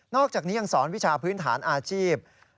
อกจากนี้ยังสอนวิชาพื้นฐานอาชีพ